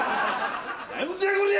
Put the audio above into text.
何じゃこりゃ！